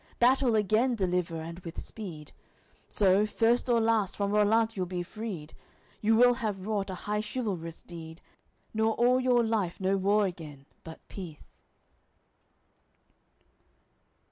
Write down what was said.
Battle again deliver, and with speed. So, first or last, from Rollant you'll be freed. You will have wrought a high chivalrous deed, Nor all your life know war again, but peace.